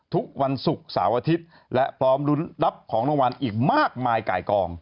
ทุกวันศุกร์เสาร์อาทิตย์และพร้อมลุ้นรับของรางวัลอีกมากมายไก่กอง